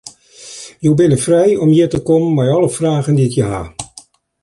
Je binne frij om hjir te kommen mei alle fragen dy't je ha.